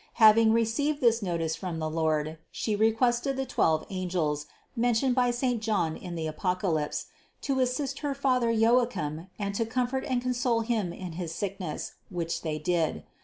Having re ceived this notice from the Lord, She requested the twelve angels, mentioned by saint John in the Apocalypse, to assist her father Joachim and to comfort and console Him in his sickness, which they did.